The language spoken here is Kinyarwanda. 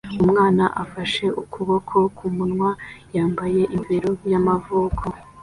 Umwana afashe ukuboko kumunwa yambaye ingofero y'amavuko